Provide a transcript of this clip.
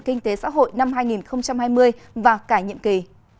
kinh tế xã hội năm hai nghìn hai mươi và cả nhiệm kỳ